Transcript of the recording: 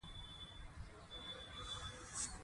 چې يو تن څۀ لوستي نۀ وي